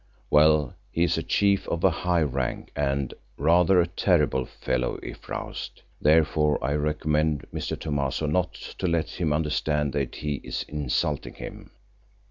Well, he is a chief of a high rank and rather a terrible fellow if roused. Therefore I recommend Mr. Thomaso not to let him understand that he is insulting him."